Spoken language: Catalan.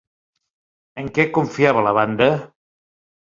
En què confiava la banda?